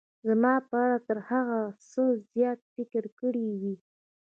زما په اړه تر هغه څه زیات فکر کړی وي.